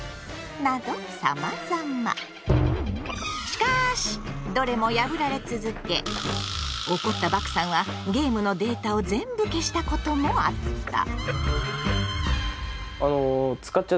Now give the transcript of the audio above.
しかしどれも破られ続け怒ったバクさんはゲームのデータを全部消したこともあった。